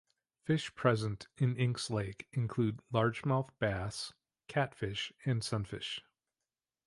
Fish present in Inks Lake include largemouth bass, catfish, and sunfish.